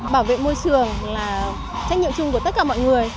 bảo vệ môi trường là trách nhiệm chung của tất cả mọi người